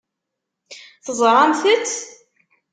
Teẓṛamt-t?